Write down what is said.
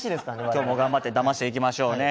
今日も頑張ってだましていきましょうね。